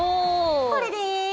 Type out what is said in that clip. これで。